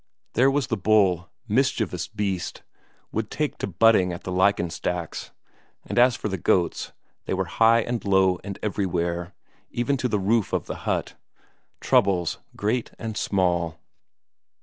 There was the bull, mischievous beast, would take to butting at the lichen stacks; and as for the goats, they were high and low and everywhere, even to the roof of the hut. Troubles great and small.